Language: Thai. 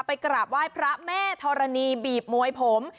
กราบไหว้พระแม่ธรณีบีบมวยผม